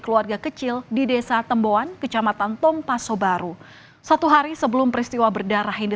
keluarga kecil di desa temboan kecamatan pompaso baru satu hari sebelum peristiwa berdarah ini